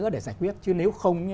để giải quyết chứ nếu không